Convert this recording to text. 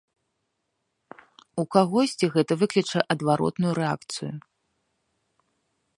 У кагосьці гэта выкліча адваротную рэакцыю.